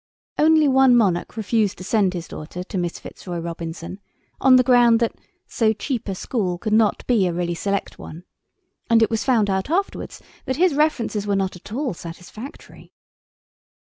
Only one monarch refused to send his daughter to Miss Fitzroy Robinson, on the ground that so cheap a school could not be a really select one, and it was found out afterwards that his references were not at all satisfactory.